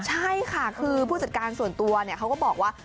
ใช่ค่ะคือผู้จัดการส่วนตัวเขาก็บอกว่า